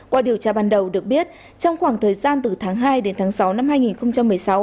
qua điều tra ban đầu được biết trong khoảng thời gian từ tháng hai đến tháng sáu năm hai nghìn một mươi sáu